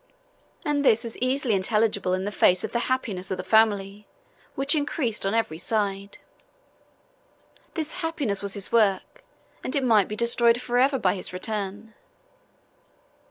And this is easily intelligible in the face of the happiness of the family, which increased on every side. This happiness was his work, and it might be destroyed forever by his return.